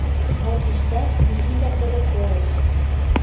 Но тиштӓк Микитӓм тӹдӹ колеш